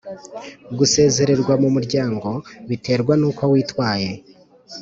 Gusezererwa mu muryango biterwa nuko witwaye